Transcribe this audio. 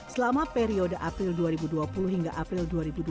selama periode april dua ribu dua puluh hingga april dua ribu dua puluh